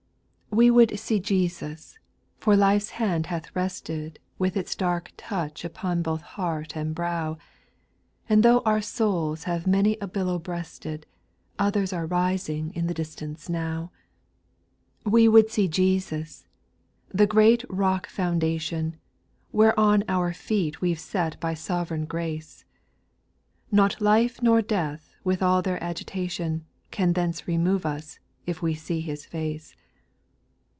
2. " We would see Jesus "— for life's hand hath rested Wit]i its dark touch upon both heart and brow; And though our souls have many a billow breasted, Others are rising in the distance now. 8. " We would see Jesus "— the great rock foun dation, "Whereon our feet we've set by sovereign grace ; Not life nor death, with all their agitation, Can thence remove us, if we see His face.